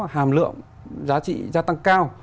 hàm lượng giá trị gia tăng cao